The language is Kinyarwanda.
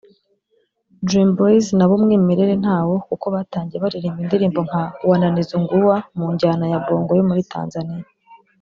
Dream Boys nabo umwimerere ntawo kuko batangiye baririmba indirimbo nka “wananizingua” mu njyana ya Bongo yo muri Tanzania